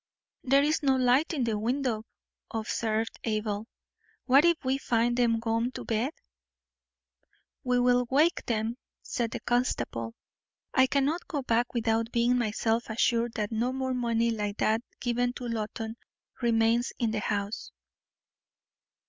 "There is no light in the window," observed Abel. "What if we find them gone to bed?" "We will wake them," said the constable. "I cannot go back without being myself assured that no more money like that given to Loton remains in the house."